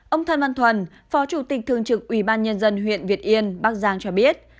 ông thần văn thuần phó chủ tịch thương trực ubnd huyện việt yên bắc giang cho biết